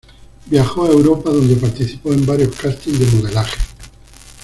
Viajó a Europa, donde participó en varios castings de modelaje.